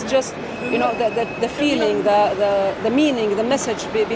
dan saya pikir untuk anda jika kita menang itu menang anda